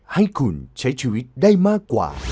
ให้คุณใช้ชีวิตได้มากกว่า